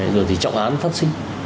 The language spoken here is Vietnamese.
rồi thì trọng án phát sinh